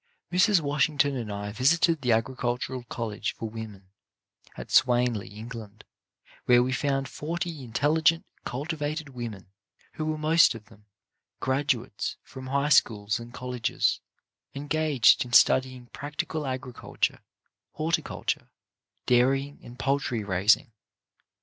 Mrs. Washington and I visited the Agricultural College for women, at Swanley, England, where we found forty intelligent, cultivated women, who were most of them graduates from high schools and colleges, engaged in studying practical agri culture, horticulture, dairying and poultry raising.